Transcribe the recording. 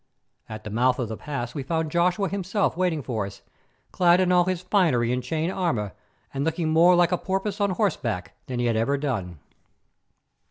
At the mouth of the pass we found Joshua himself waiting for us, clad in all his finery and chain armour, and looking more like a porpoise on horseback than he had ever done.